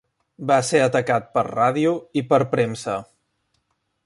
Va ser atacat per ràdio i per premsa.